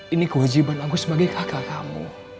ini kewajiban aku sebagai kakak kamu